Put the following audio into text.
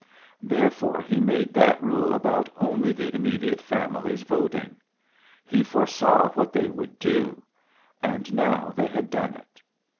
Therefore he made that rule about only the immediate families voting. He foresaw what they would do; and now they had done it.